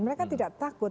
mereka tidak takut